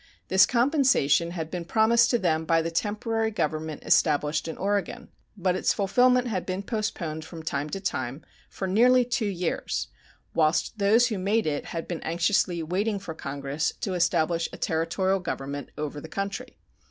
This compensation had been promised to them by the temporary government established in Oregon, but its fulfillment had been postponed from time to time for nearly two years, whilst those who made it had been anxiously waiting for Congress to establish a Territorial government over the country.